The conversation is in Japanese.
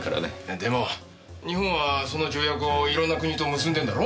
でも日本はその条約をいろんな国と結んでんだろ。